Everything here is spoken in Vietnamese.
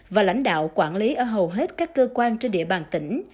và lãnh đạo quản lý ở hầu hết các cơ quan trên địa bàn tỉnh